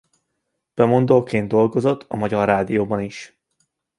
Bemondóként dolgozott a Magyar Rádióban is.